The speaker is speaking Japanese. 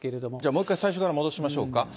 もう１回最初から戻しましょうか。